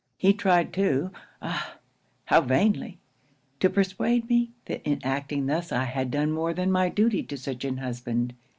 'He tried too ah, how vainly! to persuade me, that in acting thus I had done more than my duty to such an husband.